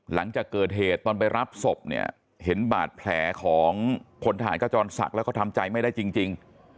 หลังจากเกิดเหตุตอนไปรับศพเนี่ยเห็นบาดแผลของพลทหารขจรศักดิ์แล้วก็ทำใจไม่ได้จริง